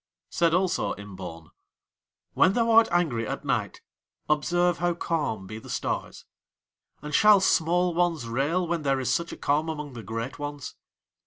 Said also Imbaun: "When thou art angry at night observe how calm be the stars; and shall small ones rail when there is such a calm among the great ones?